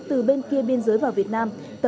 từ bên kia biên giới vào việt nam